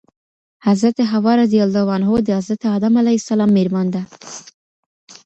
حضرت حواء رضي الله عنه د حضرت آدم عليه السلام ميرمن ده